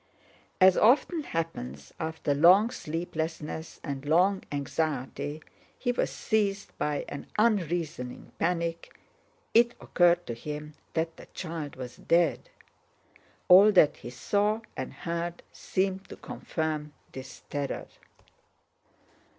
As often happens after long sleeplessness and long anxiety, he was seized by an unreasoning panic—it occurred to him that the child was dead. All that he saw and heard seemed to confirm this terror.